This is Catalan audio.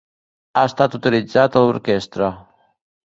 Ha estat utilitzat a l'orquestra.